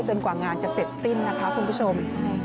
กว่างานจะเสร็จสิ้นนะคะคุณผู้ชม